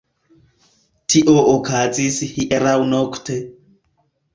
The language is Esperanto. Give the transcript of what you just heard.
Tio okazis hieraŭ nokte.